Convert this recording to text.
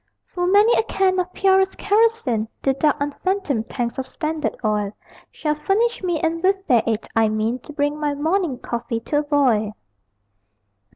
Full many a can of purest kerosene The dark unfathomed tanks of Standard Oil Shall furnish me, and with their aid I mean To bring my morning coffee to a boil.